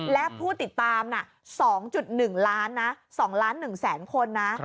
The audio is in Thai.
และผู้ติดตาม๒๑ล้านนะ๒ล้าน๑แสนคนนะ